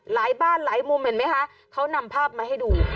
หลายบ้านหลายมุมเห็นไหมคะเขานำภาพมาให้ดู